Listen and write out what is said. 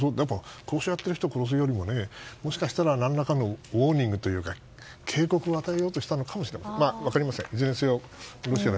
交渉をやっている人を殺すよりももしかしたら何らかのウォーニングというか警告を与えようとしたのかもしれない。